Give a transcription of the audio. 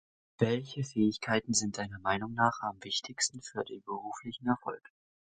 Welche Fähigkeiten sind deiner Meinung nach am wichtigsten für den beruflichen Erfolg?